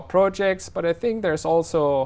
trong bộ phim hôm nay